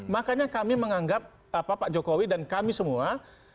makanya kami menganggap pak jokowi dan kami semua